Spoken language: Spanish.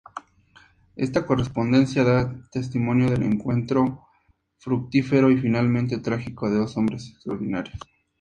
Esta correspondencia da testimonio del encuentro fructífero y finalmente trágico de dos hombres extraordinarios.